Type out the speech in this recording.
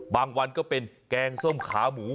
วันก็เป็นแกงส้มขาหมู